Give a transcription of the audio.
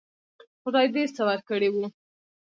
خدای ډېر څه ورکړي وو.